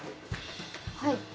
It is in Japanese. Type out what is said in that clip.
はい。